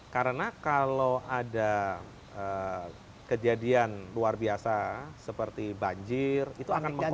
karena kalau ada kejadian luar biasa seperti banjir itu akan mengoreksi